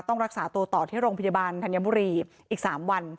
ต้องรักษาตัวต่อที่โรงพยาบาลธัญบุรีอีก๓วัน